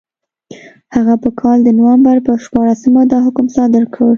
هغه په کال د نومبر په شپاړسمه دا حکم صادر کړ.